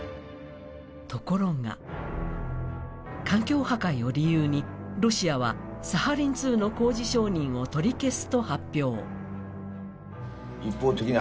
ところが、環境破壊を理由にロシアは、サハリン２の工事承認を取り消すと発表。